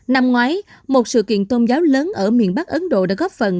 năm ngoái một sự kiện tôn giáo lớn ở miền bắc ấn độ đã góp phần